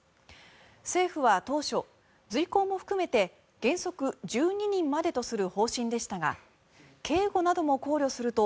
政府は当初、随行も含めて原則１２人までとする方針でしたが警護なども考慮すると